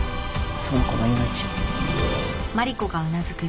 その子の命。